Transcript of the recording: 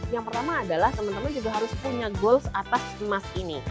yang pertama adalah teman teman juga harus punya goals atas emas ini